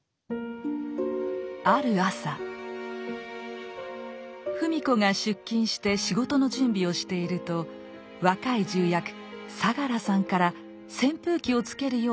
ある朝芙美子が出勤して仕事の準備をしていると若い重役相良さんから扇風機をつけるよう頼まれました。